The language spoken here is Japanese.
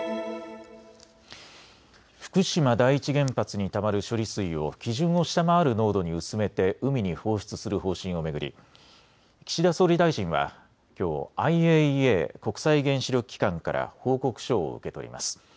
福島第一原発にたまる処理水を基準を下回る濃度に薄めて海に放出する方針を巡り岸田総理大臣はきょうＩＡＥＡ・国際原子力機関から報告書を受け取ります。